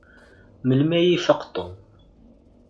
Melmi ay ifaq Tom?